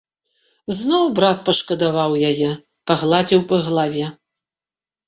Зноў брат пашкадаваў яе, пагладзіў па галаве.